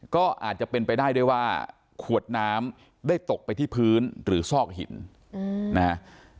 ก็อาจจะเป็นไปได้ด้วยว่าขวดน้ำได้ตกไปที่พื้นหรือซอกหินนะฮะ